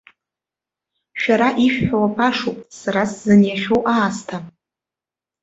Шәара ишәҳәауа башоуп, сара сзыниахьоу аасҭа.